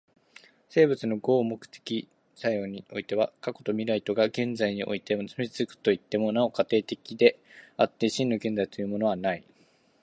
生物の合目的的作用においては過去と未来とが現在において結び付くといっても、なお過程的であって、真の現在というものはない。